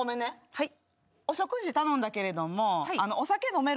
はい。